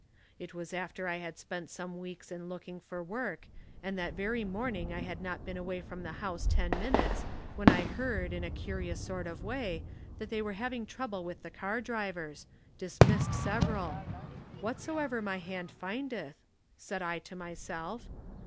It was after I had spent some weeks in looking for work, and that very morning I had not been away from the house ten minutes when I heard, in a curious sort of way, that they were having trouble with the car drivers — dismissed several. ' Whatsoever thy hand findeth,' said I to myself.